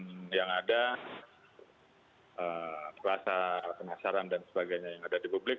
dan yang ada perasa penasaran dan sebagainya yang ada di publik